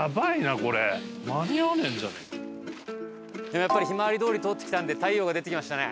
やっぱりひまわり通り通ってきたんで太陽が出てきましたね。